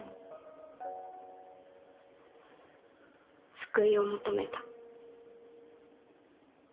救いを求めた。